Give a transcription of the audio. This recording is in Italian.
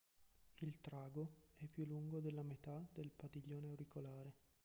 Il trago è più lungo della metà del padiglione auricolare.